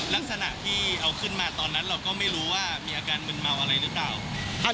ลักษณะที่เอาขึ้นมาตอนนั้นเราก็ไม่รู้ว่ามีอาการมึนเมาอะไรหรือเปล่า